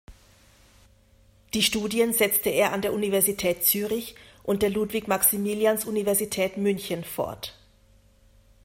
Die Studien setzte er an der Universität Zürich und der Ludwig-Maximilians-Universität München fort.